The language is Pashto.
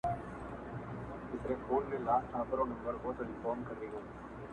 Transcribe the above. دوه یاران سره ملګري له کلونو-